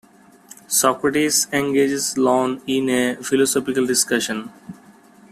Socrates engages Ion in a philosophical discussion.